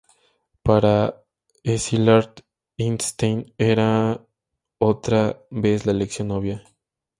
Para Szilárd, Einstein era otra vez la elección obvia.